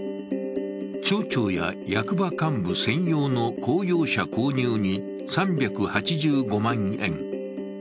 町長や役場幹部専用の公用車購入に３８５万円。